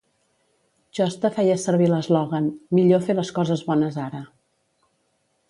Josta feia servir l'eslògan: millor fer les coses bones ara.